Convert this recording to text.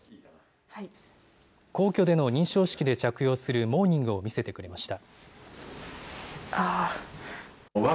皇居での認証式で着用するモーニングを見せてくれました。